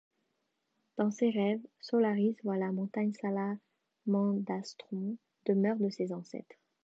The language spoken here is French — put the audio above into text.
Dans ses rêves, Solaris voit la montagne Salamandastron, demeure de ses ancêtres.